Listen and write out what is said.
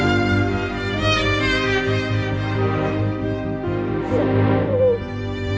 hanya mas jaga sama ototnya